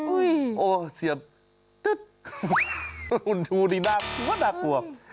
อุ้ยโอ้เสียดึ๊ดดูดิน่ากลัว